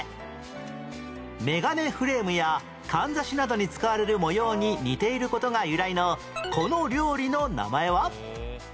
めがねフレームやかんざしなどに使われる模様に似ている事が由来のこの料理の名前は？